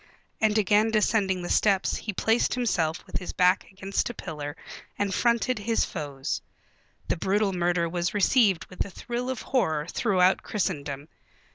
And again descending the steps he placed himself with his back against a pillar and fronted his foes.... The brutal murder was received with a thrill of horror throughout Christendom.